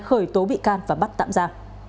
khởi tố bị can và bắt tạm ra